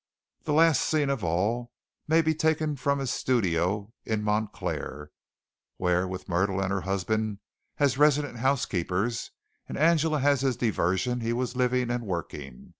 The last scene of all may be taken from his studio in Montclair, where with Myrtle and her husband as resident housekeepers and Angela as his diversion he was living and working.